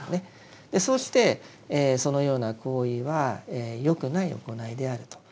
そうしてそのような行為はよくない行いであると。